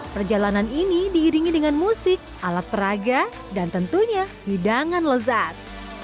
perjalanan ini diiringi dengan musik alat peraga dan tentunya hidangan lezat